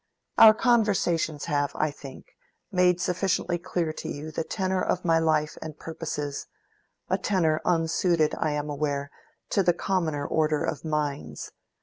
Our conversations have, I think, made sufficiently clear to you the tenor of my life and purposes: a tenor unsuited, I am aware, to the commoner order of minds.